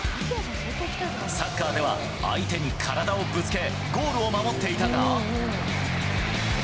サッカーでは相手に体をぶつけ、ゴールを守っていたが。